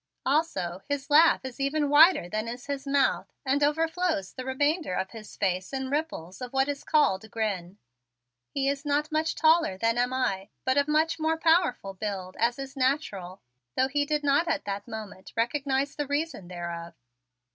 Also, his laugh is even wider than is his mouth and overflows the remainder of his face in ripples of what is called grin. He is not much taller than am I, but of much more powerful build, as is natural, though he did not at that moment recognize the reason thereof.